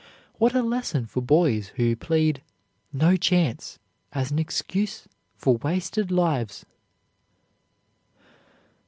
What a lesson for boys who plead "no chance" as an excuse for wasted lives!